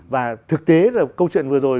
và thực tế là câu chuyện vừa rồi